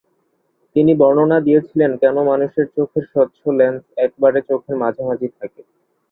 তিনি বর্ণনা দিয়েছিলেন কেন মানুষের চোখের স্বচ্ছ লেন্স একেবারে চোখের মাঝামাঝি থাকে।